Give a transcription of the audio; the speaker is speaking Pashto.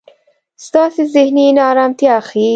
ستاسې زهني نا ارمتیا ښي.